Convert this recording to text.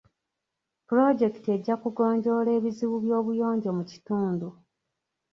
Pulojekiti ejja kugonjoola ebizibu by'obuyonjo mu kitundu.